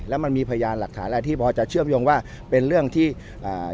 แล้วมันมีพยานหลักฐานอะไรที่พอจะเชื่อมโยงว่าเป็นเรื่องที่อ่า